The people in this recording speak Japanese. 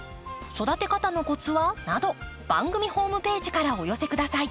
「育て方のコツは？」など番組ホームページからお寄せ下さい。